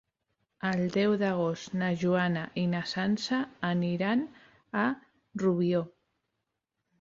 El deu d'agost na Joana i na Sança aniran a Rubió.